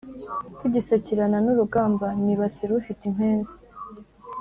Tugisakirana n’urugamba, nibasira ufite impenzi